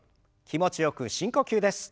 気持ちよく深呼吸です。